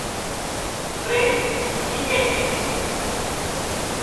Frei Miguelinho